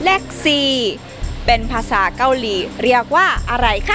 เลข๔เป็นภาษาเกาหลีเรียกว่าอะไรคะ